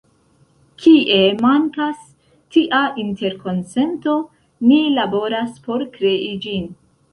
Kie mankas tia interkonsento, ni laboras por krei ĝin.